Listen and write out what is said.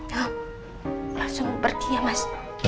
langsung pergi ya mas